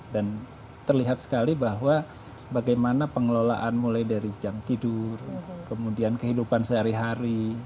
dan terlihat sekali bahwa bagaimana pengelolaan mulai dari jam tidur kemudian kehidupan sehari hari